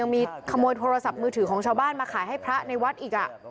มีขโมยโทรศัพท์มือถือของชาวบ้านมาขายให้พระในวัดอีก